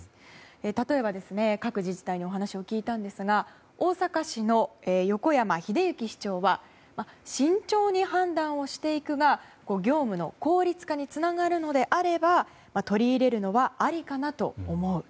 例えば各自治体にお話を聞いたんですが大阪市の横山英幸市長は慎重に判断していくが業務効率化につながるのであれば取り入れる人のはありかなと思うと。